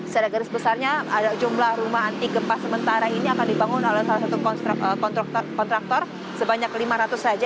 secara garis besarnya jumlah rumah anti gempa sementara ini akan dibangun oleh salah satu kontraktor sebanyak lima ratus saja